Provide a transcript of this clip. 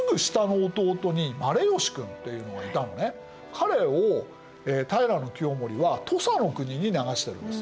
彼を平清盛は土佐の国に流してるんです。